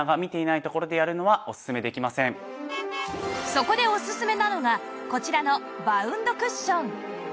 そこでおすすめなのがこちらのバウンドクッション